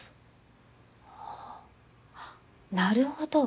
あっなるほど。